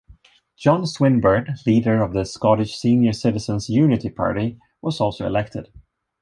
John Swinburne, leader of the Scottish Senior Citizens Unity Party, was also elected.